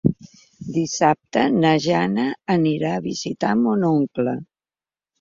Dissabte na Jana anirà a visitar mon oncle.